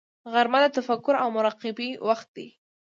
غرمه د تفکر او مراقبې وخت دی